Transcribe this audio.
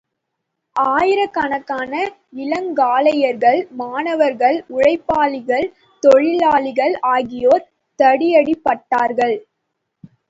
ஆயிரக்கணக்கான இளங்காளையர்கள், மாணவர்கள், உழைப்பாளிகள், தொழிலாளிகள் ஆகியோர் தடியடிபட்டார்கள்.